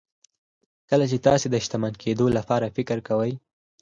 کله چې تاسې د شتمن کېدو لپاره فکر کوئ.